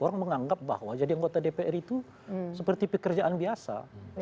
orang menganggap bahwa jadi anggota dpr itu seperti pekerjaan biasa